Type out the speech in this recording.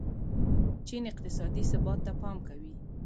چین اقتصادي ثبات ته پام کوي.